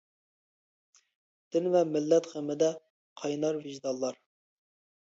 دىن ۋە مىللەت غېمىدە قاينار ۋىجدانلار.